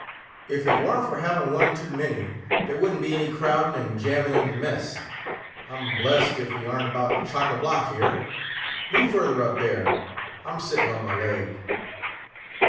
If it warn't for having one too many, there wouldn't be any crowding and jamming in the mess. I'm blessed if we ar'n't about chock a' block here! Move further up there, I'm sitting on my leg!"